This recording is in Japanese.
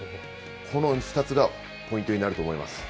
この２つがポイントになると思います。